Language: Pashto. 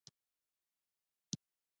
مصنوعي ځیرکتیا د زده کړې سرعت تنظیموي.